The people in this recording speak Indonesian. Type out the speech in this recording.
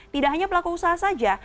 tidak hanya pelaku usaha saja